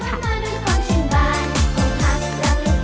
มาด้วยความชื่นบ้านของทักและลูกบ้าน